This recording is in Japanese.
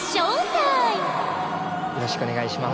よろしくお願いします。